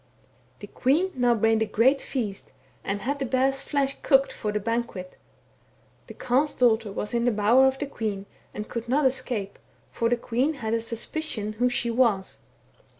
" The queen now made a great feast, and had the bear's flesh cooked for the banquet. The Carle's daughter was in the bower of the queen, and could not escape, for the queen had a suspicion who she was.